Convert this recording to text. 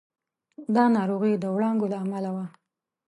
دا ناروغي د وړانګو له امله وه.